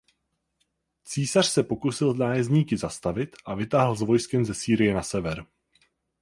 Císař se pokusil nájezdníky zastavit a vytáhl s vojskem ze Sýrie na sever.